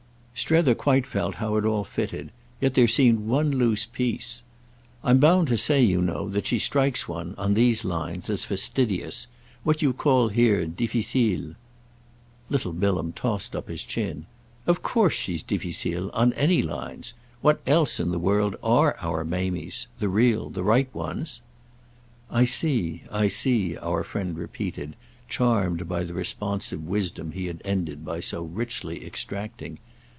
Strether quite felt how it all fitted, yet there seemed one loose piece. "I'm bound to say, you know, that she strikes one, on these lines, as fastidious—what you call here difficile." Little Bilham tossed up his chin. "Of course she's difficile—on any lines! What else in the world are our Mamies—the real, the right ones?" "I see, I see," our friend repeated, charmed by the responsive wisdom he had ended by so richly extracting.